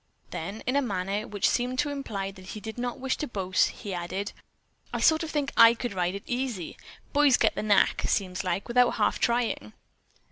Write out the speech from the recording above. Then, in a manner which seemed to imply that he did not wish to boast, he added: "I sort of think I could ride it easy. Boys get the knack, seems like, without half trying."